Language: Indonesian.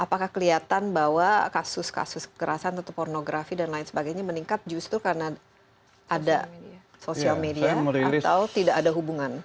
apa peran media sosial dalam hal ini sofian di riset anda apakah kelihatan bahwa kasus kasus kekerasan atau pornografi dan lain sebagainya meningkat justru karena ada sosial media atau tidak ada hubungan